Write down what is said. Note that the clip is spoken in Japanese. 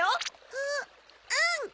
あっうん！